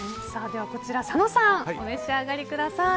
ではこちらを佐野さんお召し上がりください。